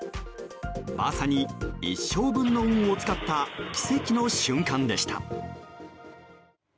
まさに、一生分の運を使った奇跡の瞬間でした。